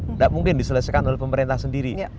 tidak mungkin diselesaikan oleh pemerintah sendiri